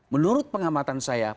menurut pengamatan saya